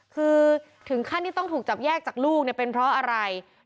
คือถึงขั้นที่ต้องถูกจับแยกจากลูกเนี่ยเป็นเพราะอะไร